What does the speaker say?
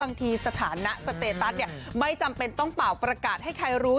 สถานะสเตตัสเนี่ยไม่จำเป็นต้องเป่าประกาศให้ใครรู้